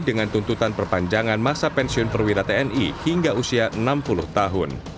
dengan tuntutan perpanjangan masa pensiun perwira tni hingga usia enam puluh tahun